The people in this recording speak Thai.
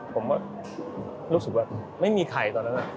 ผมรู้สึกว่าไม่มีใครตอนนั้น